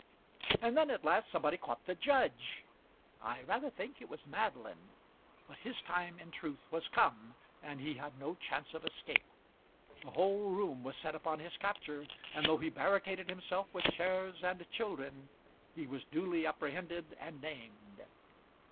And then, at last, somebody caught the judge. I rather think it was Madeline; but his time in truth was come, and he had no chance of escape. The whole room was set upon his capture, and though he barricaded himself with chairs and children, he was duly apprehended and named.